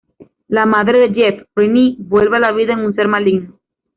La madre de Jeff, Renee, vuelve a la vida en un ser maligno.